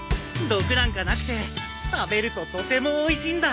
毒なんかなくて食べるととてもおいしいんだ。